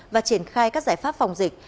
và triển khai các giải pháp phòng dịch